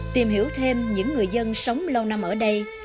tìm hiểu thêm những người dân sống lâu năm ở đây